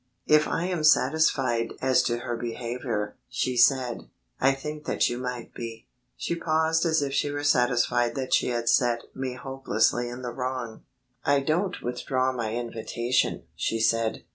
"If I am satisfied as to her behaviour," she said, "I think that you might be." She paused as if she were satisfied that she had set me hopelessly in the wrong. "I don't withdraw my invitation," she said.